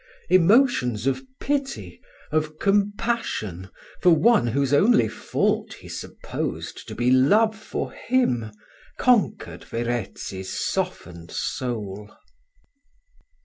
Emotions of pity, of compassion, for one whose only fault he supposed to be love for him, conquered Verezzi's softened soul.